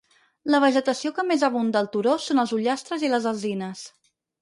La vegetació que més abunda al turó són els ullastres i les alzines.